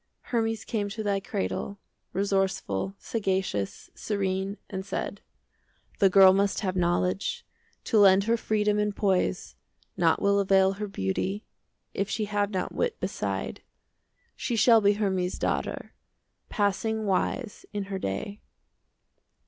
Hermes came to thy cradle, Resourceful, sagacious, serene, 10 And said, "The girl must have knowledge, To lend her freedom and poise. Naught will avail her beauty, If she have not wit beside. She shall be Hermes' daughter, 15 Passing wise in her day."